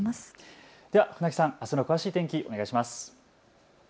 では船木さん、あすの詳しい天気をお願いします。